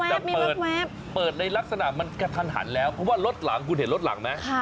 แต่เปิดในลักษณะมันกระทันหันแล้วเพราะว่ารถหลังคุณเห็นรถหลังไหม